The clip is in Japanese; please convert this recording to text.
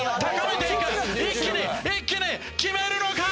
一気に一気に決めるのか！？